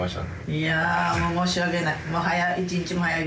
いや申し訳ない。